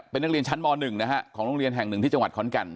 เป็นนักเรียนชั้นม๑นะฮะของโรงเรียนแห่งหนึ่งที่จังหวัดขอนแก่น